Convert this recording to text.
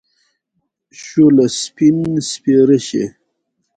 شوله! سپين سپيره شې.